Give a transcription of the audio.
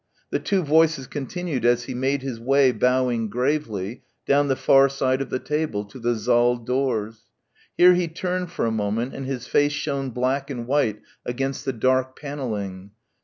The two voices continued as he made his way, bowing gravely, down the far side of the table to the saal doors. Here he turned for a moment and his face shone black and white against the dark panelling.